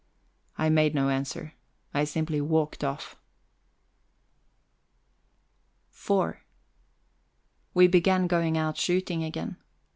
I made no answer; I simply walked off. IV We began going out shooting again.